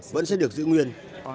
vẫn sẽ được giữ nguyên